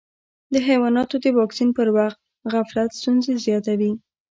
د حیواناتو د واکسین پر وخت غفلت ستونزې زیاتوي.